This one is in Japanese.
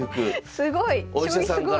すごい！